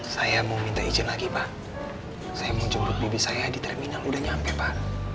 saya mau minta izin lagi pak saya mau jembruk bibi saya di terminal udah nyampe pak